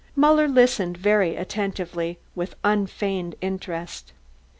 Muller listened very attentively with unfeigned interest.